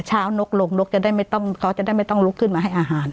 นกลงนกจะได้ไม่ต้องเขาจะได้ไม่ต้องลุกขึ้นมาให้อาหาร